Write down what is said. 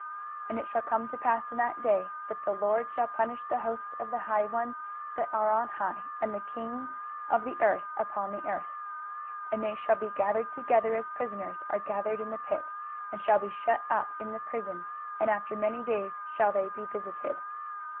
23:024:021 And it shall come to pass in that day, that the LORD shall punish the host of the high ones that are on high, and the kings of the earth upon the earth. 23:024:022 And they shall be gathered together, as prisoners are gathered in the pit, and shall be shut up in the prison, and after many days shall they be visited.